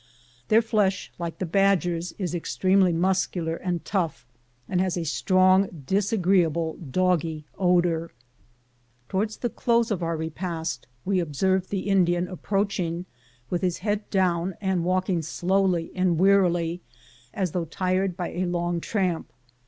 Their flesh, like the badger's, is ex tremely muscular and tough, and has a strong, dis agreeable, doggy odor. Towards the close of our repast, we observed the Indian approaching with his head down, and walking slowly and wearily as though tired by a long tramp.